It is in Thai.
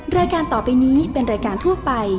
รายการต่อไปนี้เป็นรายการทั่วไป